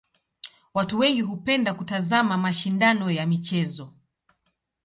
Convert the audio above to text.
Watu wengi hupenda kutazama mashindano ya michezo.